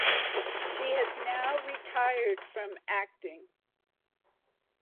She has now retired from acting.